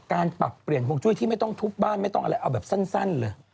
ปรับเปลี่ยนฮวงจุ้ยที่ไม่ต้องทุบบ้านไม่ต้องอะไรเอาแบบสั้นเลย